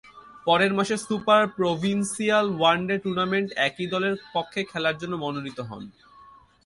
পরের মাসে super provincial one day টুর্নামেন্টে একই দলের পক্ষে খেলার জন্যে মনোনীত হন।